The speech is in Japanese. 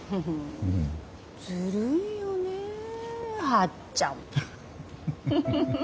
ずるいよねえはっちゃん。